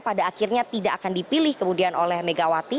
pada akhirnya tidak akan dipilih kemudian oleh megawati